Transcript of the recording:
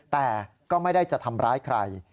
แต่ก็ไม่ได้จะทำร้ายใคร